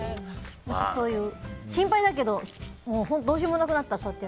心配だけどどうしようもなくなった。